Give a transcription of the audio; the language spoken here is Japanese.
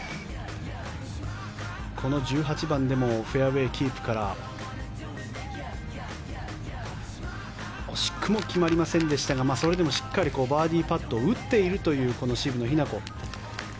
この１８番でもフェアウェーキープから惜しくも決まりませんでしたがそれでもしっかりバーディーパットを打っているという渋野日向子。